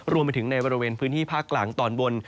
รวมไปถึงในบริเวณพื้นที่ภาคกลางตอนบน